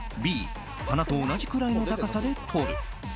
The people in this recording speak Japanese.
Ｂ、花と同じくらいの高さで撮る。